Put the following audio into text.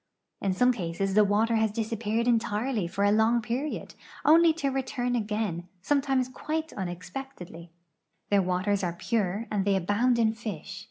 In some cases the water has disappeared entirely for a long i)eriod, only to return again, sometimes (piite unexpectedly. 'I'heir waters are pure and they abound in fish.